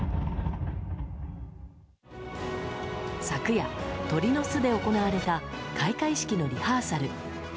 昨夜、鳥の巣で行われた開会式のリハーサル。